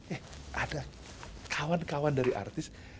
eh ada kawan kawan dari artis